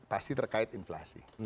pasti terkait inflasi